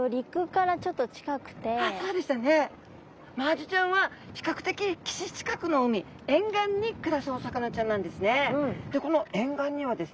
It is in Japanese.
マアジちゃんは比較的岸近くの海沿岸に暮らすお魚ちゃんなんですね。